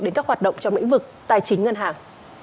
đến các hoạt động trong lĩnh vực tài chính ngân hàng